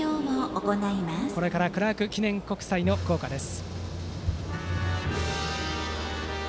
これからクラーク記念国際の校歌です。